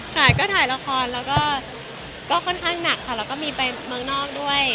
ค่ะก็ถ่ายละครแล้วก็ค่อนข้างหนักค่ะแล้วก็มีไปเมืองนอกด้วย